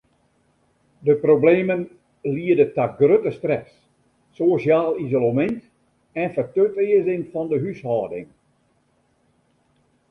De problemen liede ta grutte stress, sosjaal isolemint en fertutearzing fan de húshâlding.